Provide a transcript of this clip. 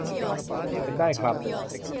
เป็นได้ครับ